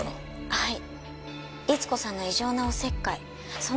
はい。